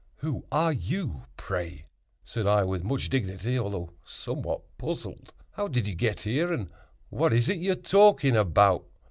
"Who are you, pray?" said I, with much dignity, although somewhat puzzled; "how did you get here? and what is it you are talking about?"